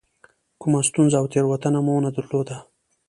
کومه ستونزه او تېروتنه مو نه درلوده.